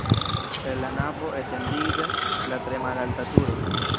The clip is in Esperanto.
El la navo etendiĝas la tre malalta turo.